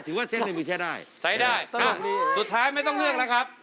คุณกิฟต์แบบหัวซ้ายไม่ต้องเลือกแล้วครับ